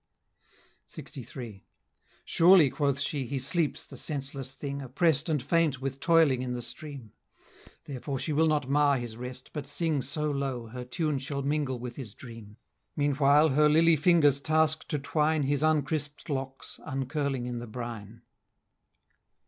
LXIII. "Surely," quoth she, "he sleeps, the senseless thing, Oppress'd and faint with toiling in the stream!" Therefore she will not mar his rest, but sing So low, her tune shall mingle with his dream; Meanwhile, her lily fingers task to twine His uncrispt locks uncurling in the brine.